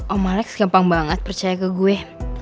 om malex gampang banget percaya ke gue